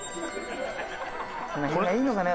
この辺がいいのかな？